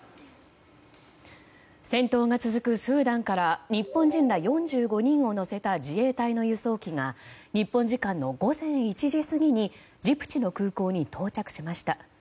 戦闘が続くスーダンから日本人ら４５人を乗せた自衛隊の輸送機が日本時間の午前１時過ぎにジブチの空港に到着しました。